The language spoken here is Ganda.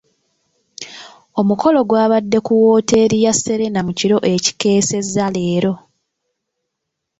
Omukolo gwabadde ku wooteeri ya Serena mu kiro ekikeesezza leero.